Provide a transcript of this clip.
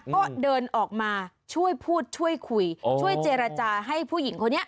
ก็เดินออกมาช่วยพูดช่วยคุยช่วยเจรจาให้ผู้หญิงคนนี้